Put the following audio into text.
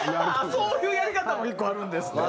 そういうやり方も１個あるんですか。